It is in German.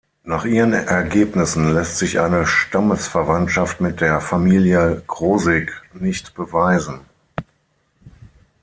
Nach ihren Ergebnissen lässt sich eine Stammesverwandtschaft mit der Familie Krosigk nicht beweisen.